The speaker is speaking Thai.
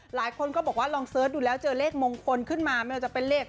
หลายคนก็บอกว่าลองเสิร์ชดูแล้วเจอเลขมงคลขึ้นมาไม่ว่าจะเป็นเลข